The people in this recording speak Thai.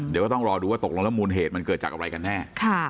เดี๋ยวก็ต้องรอดูว่าตกลงแล้วมูลเหตุมันเกิดจากอะไรกันแน่